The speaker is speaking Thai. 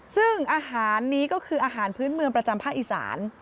ซึ่งอาหารนี้ก็คืออาหารพื้นเมืองประจำภาคอีสาน